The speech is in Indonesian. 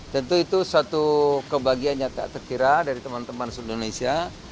tentu itu suatu kebahagiaan yang tak terkira dari teman teman seluruh indonesia